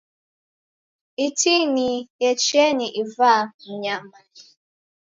Iti ni yecheni ivaa mnyamanyi.